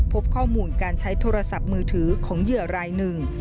พบข้อมูลการใช้โทรศัพท์มือถือของเหยื่อรายหนึ่ง